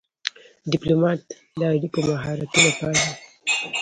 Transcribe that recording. ډيپلومات د اړیکو مهارتونه پالي.